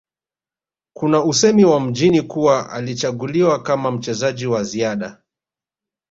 Kuna usemi wa mjini kuwa alichaguliwa kama mchezaji wa ziada